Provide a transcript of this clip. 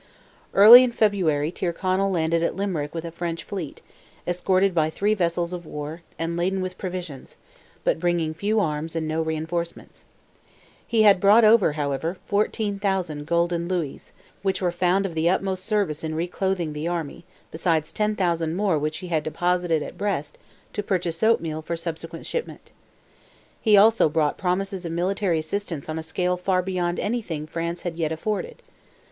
Early in February Tyrconnell landed at Limerick with a French fleet, escorted by three vessels of war, and laden with provisions, but bringing few arms and no reinforcements. He had brought over, however, 14,000 golden louis, which were found of the utmost service in re clothing the army, besides 10,000 more which he had deposited at Brest to purchase oatmeal for subsequent shipment. He also brought promises of military assistance on a scale far beyond anything France had yet afforded.